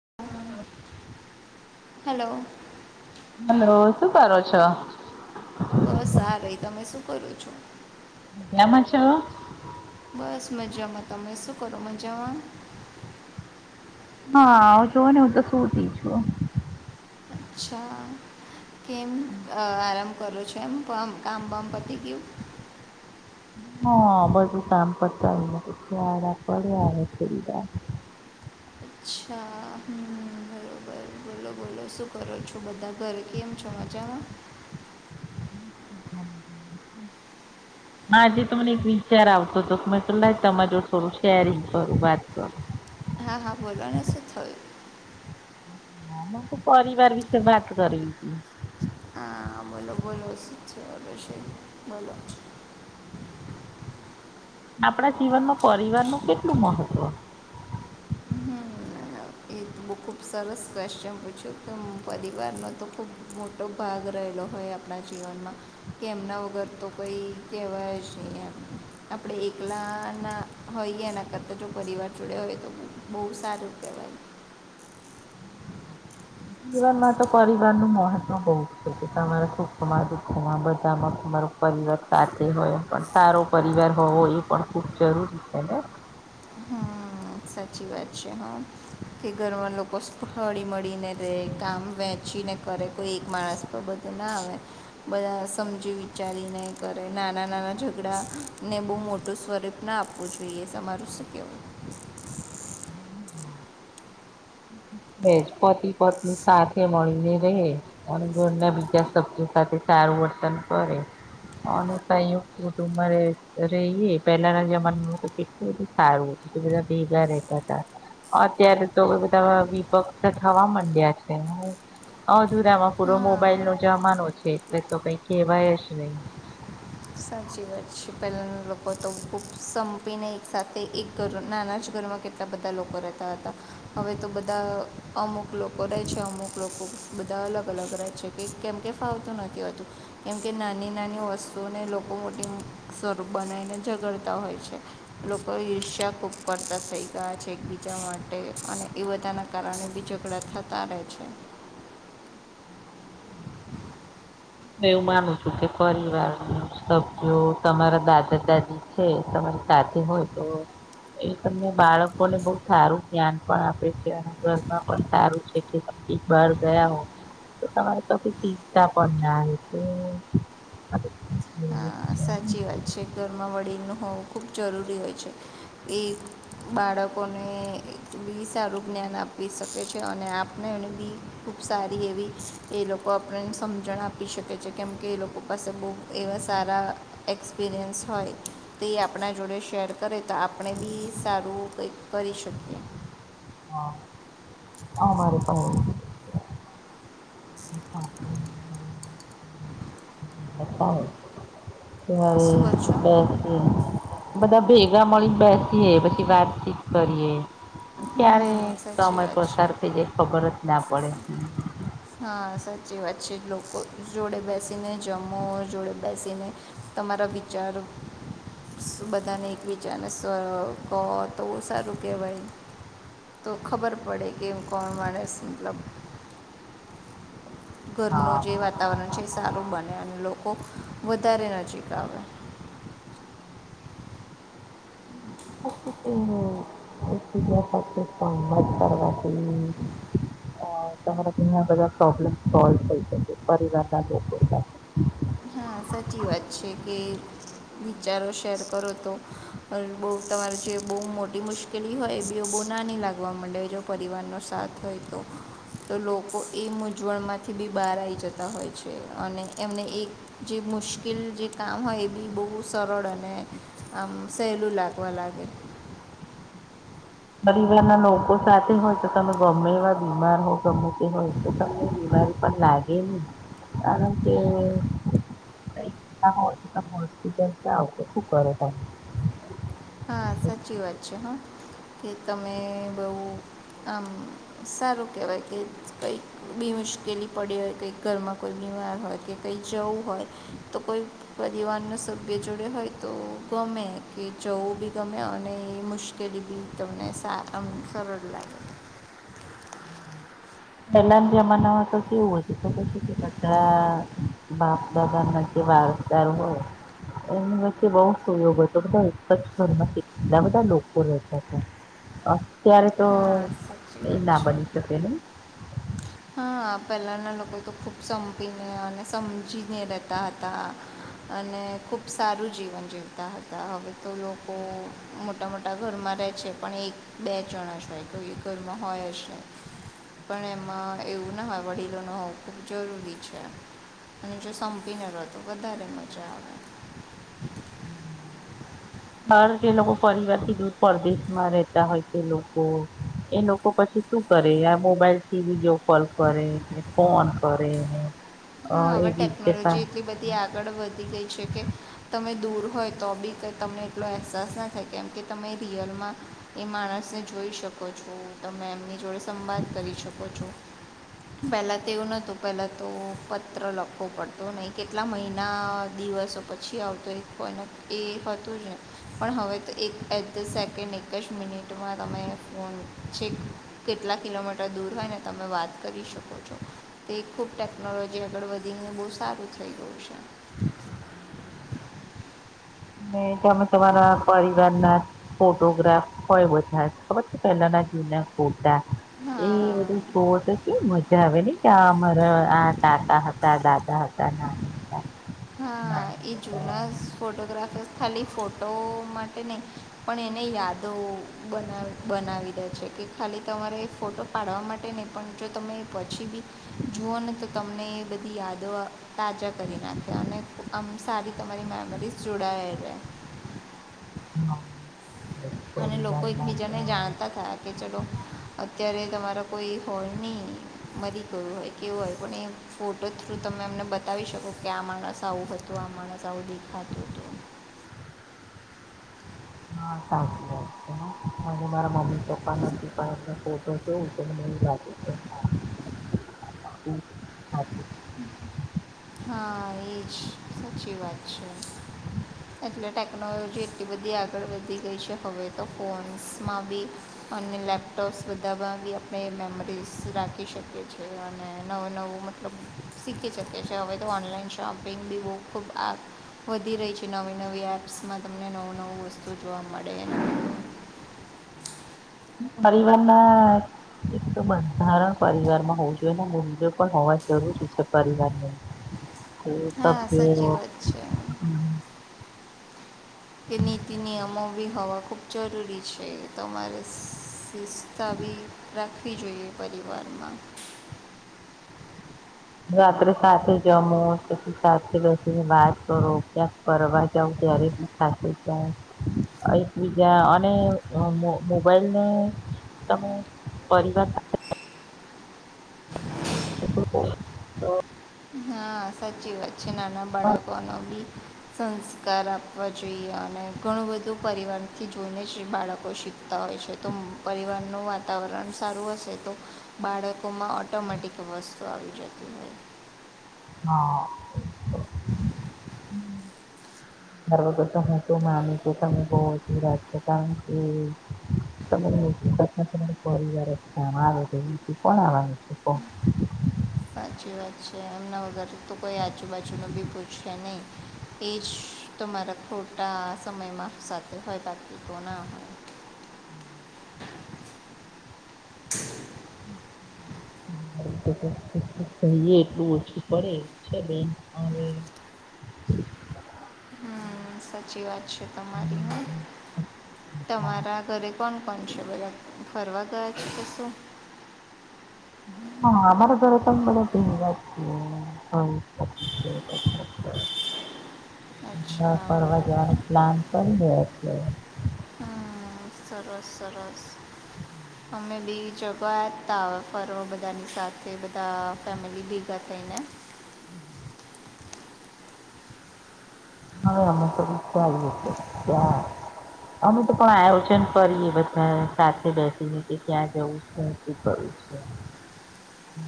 હન હન hello. Hello શું કરો છો? બસ આ રઈ. તમે શું કરો છો? મજામાં છો? બસ મજામાં. તમે શું કરો મજામાં? ના, અવ જોવોને હું તો સૂતી છું. અચ્છા. કેમ આરા કરો છો. એમ તો એમ કામ-બામ પતિ ગયું? ના બધું કામ પતાવીને આડા પડ્યા અવે થોડીવાર. [inaudible] અચ્છા. હમ બરોબર. બોલો બોલો શું કરો છો બધા ઘરે કેમ છો? અજામા? [inaudible] આજે તો મને એક વિચાર આવતો તો મેં પેહલા જ તમાર જોડ થોડું શેરિંગ કરું. વાત કરું. હા હા બોલો ને શું થયું તો પરીવાર વિશે વાત કરવી તી. હા બોલો બોલો. શું ચાલે છે બોલો. [inaudible] આપડા જીવનમાં પરિવારનું કેટલું મહત્વ? [unintelligible] બઉ ખૂબ સરસ કવેશ્ચન પૂછ્યું કે પરિવારનો તો ખૂબ મોટો ભાગ રહેલો હોય આપડા જીવનમાં કે એમના વગર તો કઈ કહેવાય જ નઈ એમ. આપડે એકલા ના હોઈએ. એના કરતા જો પરિવાર જોડે હોય તો બહુ સારું કેવાય. જીવનમાં તો પરિવારનું મહત્વ બઉ જ છે કે તમારા સુખમાં દુખમાં બધામાં તમારો પરિવાર સાથે હોય પણ સારો પરિવાર હોવો એ પણ ખુબ જરૂરી છે ને. [inaudible] હમ સાચી વાત છે. હન કે ઘરમાં લોકો હળી-મળીને રે કામ વહેચીને કરે. કોઈ એક માણસ પર બધું ના આવે બધા સમજી વિચારીને કરે નાના ના નાના ઝઘડાને બઉ મોટું સ્વરૂપ ના આપવું જોઈએ. તમારું શું કેવું? પતિ-પત્ની સાથે મળીને રહે. અને ઘરના બીજા સભ્યો સાથે સારું વર્તન કરે અને સંયુક્ત કુટુંબમાં રે રહીએ. પેલાના જમાનામાં તો કેટલું બધું સારું બધા ભેગા રહેતા તા. અત્યારે તો લવિપક્ષ થવા મંડ્યા છે. અધુરામાં પૂરો મોબાઈલનો જમાનો છે. એટલે તો કઈ કેહેવાય જ નહી. [inaudible] સાચી વાત છે. પહેલાના લોકો તો ખૂબ સંપીને એક સાથે એક ઘર નાના જ ઘરમાં કેટલા બધા લોકો રહેતા હતા. હવે તો બધા અમુક લોકો રેહ છે. અમુક લોકો બધા અલગ અલગ રહે છે કે કેમ કે ફાવતું નથી હોતું કેમ કે નાની નાની વસ્તુને લોકો બહુ મોટી સ્વરૂપ બનાવીને ઝગડતા હોય છે લોકો ઈર્ષ્યા ખૂબ કરતા થઈ છે એકબીજા માટે અને એ બધાના કારણે બી ઝઘડા થતા રહે છે [inaudible] [inaudible] એવું માનું છું કે પરિવાર ન સભ્યો તમારા દાદા દાદી છે તમા સાથે હોય તો એ તમને બાળકોને બહું સારું જ્ઞાન પણ આપે છે અને ઘરમાં પણ સારું છે કે કઈક બાર ગયા હો તો તમારે ત્યાંથી શીખતા પણ ના રીતે [unintelligible] હા સાચી વાત છે ઘરમાં વડીલનું હોવું ખૂબ જરૂરી હોય છે એ બાળક બાળકોને એ બી સારું જ્ઞાન આપી શકે છે અને આપને એને બી ખૂબ સારી એવી એ લોકો આપણને સમજણ આપી શકે છે કેમ કે એ લોકો પાસે બહુ એવા સારા એક્સપિરિયન્સ હોય તે આપણા જોડે શેર કરે તો આપણે બી સારું કંઈક કરી શકીએ હા આ મારે પણ તા થતા હોય શું કહો છો હવે બેસી બધા ભેગા મળીને બેસી એ પછી વાતચિત કરીએે હમ ક્યારે સાચી સમય વાત છે પસાર થઈ જાય ખબર જ ના પડે જેવા છે લોકો જોડે બેસીને જમો જોડે બેસીને તમારા વિચાર બધા બધાને એકબીજાને સ્વરો કહો તો સારું કહેવાય તો ખબર પડે કે કોણ માણસ મતલબ ઘરનું હા જે વાતાવરણ છે એ સારું બને અને લો વધારે નજીક આવે હો [unintelligible] અ તમારા ઘણા બધા પ્રોબ્લેમ સોલ્વ થઈ શકે પરિવાર ના લોકો સાથે હા સાચી વાત છે કે વિચારો શેર કરો તો બહુ તમારે જે બહુ મોટી મુશ્કેલી હોય એ ભી બ કોનાની લાગવા માંડે જો પરિવારનો સાથ હોય તો તો લોકો એ મૂંઝવણમાંથી બી બહાર આવી જતા હોય છે અને એમને એક જે મુશ્કેલ જે કામ હોય એ બી બહુ સરળ અને આમ સહેલું લાગવા લાગે [unintelligible] પરિવાર માં લોકો સાથે હોય તો તમે ગમે એવા બીમાર હો ગમે તે હોય તો તમને બીમારી પણ લાગે ને કારણ કે હો તો તમે હોસ્પિટલ આવ શું કરો તમે હા સાચી વાત છે હા કે તમે બહુ આમ સારું કહેવાય કે કંઈક બી મુશ્કેલી પડી હોય કંઈક ઘરમાં કોઈ બી હોય કે કઈ જવું હોય તો કોઈ પરિવારના સભ્ય જોડે હોય તો ગમે મે કે જવું બી ગમે અને એ મુશ્કેલી બી તમને સાથ આવવું સરળ લાગે [unintelligible] પેલા ના જમાનામાં તો કેવું હતું તો ખબર છે કે બધા બાપ દાદા [inaudible] લોકો રહેતા હતા અત્યારે તો હા સાચી એ વાત ના છે બની શકે ને હા પહેલાના લોકો તો ખૂબ સંપીને અને સમજીને રહેતા હતા અને ખુબ સારું જીવન જીવતા હતા હવે તો લોકો મોટા મોટા ઘરમાં રહે છે પણ એક બે જણા જ હોય તો એ ઘરમાં હોય પણ એમાં એવું ના હોય વડીલોનું હોવું ખૂબ જરૂરી છે. અને જો સંપીને રેતો વધારે મજા આવે. [inaudible] હાર જે લોકો પરિવાર થી દૂર પરદેશમાં રેતા હોય છે. તે લોકો એ લોકો પછી શ શું કરે મોબાઈલ થી વિડીયો કોલ કરેને ફોન કરેને હા હવે ટેકનોલોજી એટલી બધી આગળ વધી ગઈ છે કે તમે દૂર હોય તો બી કંઈ તમને એટલો અહેસાસ ના થાય કેમ કે તમે રિયલમાં એ માણસને જોઈ જોઈ શકો છો. તમે એમની જોડે સંવાદ કરી શકો છો. પેલા તો એવું નતું પેલા તો પત્ર લખવો પડતો નહીં કેટલા મહિના દિવસો પછી આવતો એક કોઈને એ હતું ને. પણ હવે તો એક એ ધ સેકન્ડ એક જ મિનિટમાં તમે ફોન છે. કેટલા કિલોમીટર દૂર હોયને તમે વાત કરી શકો છો તે ખૂબ ટેકનોલોજી જે આગળ વધીને બહુ સારું થઈ ગયું છે. તમે તમારા પરિવાર ના ફોટોગ્રાફ હોય બધા જ ખબર છે પેલના ના ફોટા. એ બધું હા જોવ તો કેમ મજા આવે ને કે આ અમારા આ કાકા હતા દાદા હતા. [unintelligible] નાના હા એ હતા એમ. જૂનાસ ફોટોગ્રાફર ખાલી ફોટો માટે નહીં પણ એને યાદો બનાવ બનાવી દે છે. કે ખાલી તમારે ફોટો પાડવા માટે નહીં પણ જો તમે પછી બી જુઓ ને તો તમને એ બધી યાદો તાજા કરી નાખે. અને આમ સારી તમારી મેમરીઝ જોડાયે જાય. હા. અને લોકો એકબીજાને જાણતા થયા કે ચલો અત્યારે તમારા કોઈ હોલ નહીં મરી ગયું હોય કેવું હોય પણ એ ફોટો થ્રુ તમે એમ ત બતાવી શકો કે આ માણસ આવું હતું આ માણસ આવું દેખાતું હતું. [inaudible] હા સાચી વાત છે. મને મારા મમ્મી પપ્પા નથી પણ મેં ફોટો જોઉું [unintelligible] હા એજ સાચી વાત છે. એટલે ટેકનોલોજી એટલી બધી આગળ વધી ગઈ છે. હવે તો ફોન્સમાં બી અને લેપટોપ્સ બધામાં બી આપણે મેમરીઝ રાખી શકીએ છીએ. અને નવું નવો મતલબ શીખ શકે છે. હવે તો ઓનલાઈન શોપિંગ બી બો ખુબ આગ વધી રહી છે. નવી નવી એપ્સમાં તમને નવું નવું વસ્તુ જોવા મળે એમ. [inaudible] પરિવારના એક તો બંધારણ પરિવાર માં હોવું જોઈને મૂલ્યો પણ હોવા જરૂરી છે પરિવારની. હા સાચી વાત છે [unintelligible] કે નીતિ નિયમો ભી હાવા ખૂબ જરૂરી છે. તમારે સુસ્તા બી રાખવી જોઈએ પછી વારમાં [inaudible] રાત્રે સાથે જમો પછી સાથે બેસીને વાત કરો ક્યાંક કરવા જાવ ત્યારે સાથે એકબીજા અને મોબાઈલને તમે પરિવાર સાથે [unintelligible] હા સાચી વાત છે. નાના બાળકો ન બી સંસ્કાર આપવા જોઈએ. અને ઘણું બધું પરિવારથી જોઈને જ બાળકો શીખતા હોય છે. તો પરિવારનું વાતાવરણ સારું હશે તો બાળકોમાં ઓટોમેટિક વસ્તુ આવી જતી હોય. હા. [unintelligible] હમ્મ. ઘર વગર તો હું શું માનું છું તમે બહરાત છો કારણકે [inaudible] તમા પરિવાર સા આવે કોણ આવાનું છે [unintelligible] સાચી વાત છે એમના વગર તો કોઈ આજુબજુ ન ભીભૂછશે નહી. એ જ તમારા ખોટા સમય માફ સાથે હોય બાકી તો ના હોય [unintelligible] થઈ એટલું ઓછી પડે છે બેન આવે હ હા સાચી વાત છે એના તમારી હ. માટેના તમારા ઘરે કોણ કોણ ષબ ફરવા ગયા છે શૂ હ અમારે ઘરે તમે બડ પી [unintelligible] [unintelligible] અચ્છા ફરવા બરોબર જવાનું પ્લાન કરી રહ્યા છે. હમ સરસ, સરસ. અમે બી ફ બધાની સાથે બા ફેમિલી એને હમ્મ [unintelligible] અમે તો પણ આયોજન કરીએ બધા સાથે બેસીએ કે ક્યાં જવું શું કરું [unintelligible]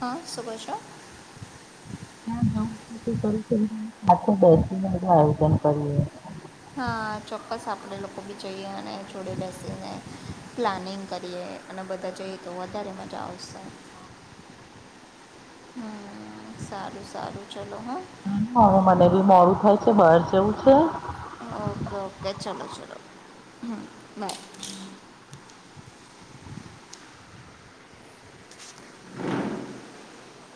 હા સુ ત્યાં જવું કર આયોજન કરી હા ચોક્કસ આપડે લોકો બી જઈએ અને જોડે બેસીને પ્લાનિંગ કરીએ. અને બધા જઈએ તો વધારે મજા આવશે. હા હમ સારું સારું છે. મને બી મોડું થાય છે, બાર જેવું છે. હ બાય